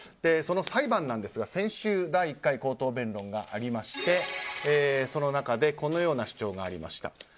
その裁判なんですが先週第１回口頭弁論がありましてその中でこのような主張がありました。